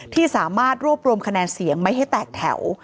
ที่สามารถรวบรวมคะแนนเสียงไม่ให้แตกแถว